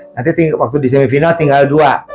nanti waktu di semifinal tinggal dua